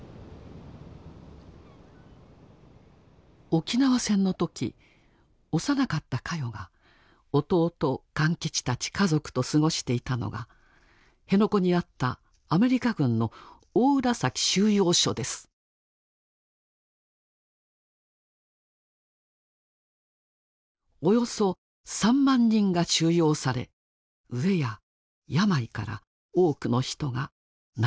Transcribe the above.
沖縄戦の時幼かったカヨが弟・勘吉たち家族と過ごしていたのが辺野古にあったアメリカ軍のおよそ３万人が収容され飢えや病から多くの人が亡くなりました。